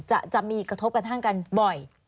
จะมีกระทบกระทั่งกันบ่อย